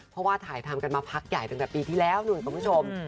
เพราะว่าถ่ายทำกันมาพักใหญ่ตั้งแต่ปีที่แล้วนู่นคุณผู้ชม